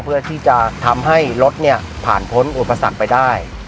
เพื่อที่จะทำให้รถเนี่ยผ่านพ้นอุปสรรคไปได้